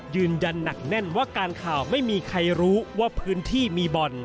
ยืนยันหนักแน่นว่าการข่าวไม่มีใครรู้ว่าพื้นที่มีบ่อน